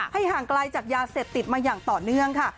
ห่างไกลจากยาเสพติดมาอย่างต่อเนื่องค่ะ